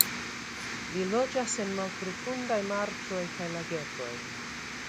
Li loĝas en malprofundaj marĉoj kaj lagetoj.